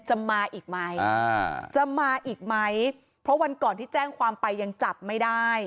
มาอีกไหมอ่าจะมาอีกไหมเพราะวันก่อนที่แจ้งความไปยังจับไม่ได้